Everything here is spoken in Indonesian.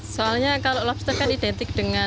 soalnya kalau lobster kan identik dengan